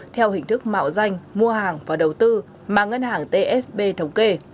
theo hình thức mạo danh mua hàng và đầu tư mà ngân hàng tsb thống kê